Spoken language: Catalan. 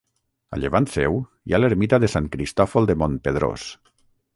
A llevant seu hi ha l'ermita de Sant Cristòfol de Montpedrós.